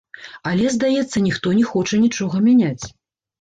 Але, здаецца, ніхто не хоча нічога мяняць.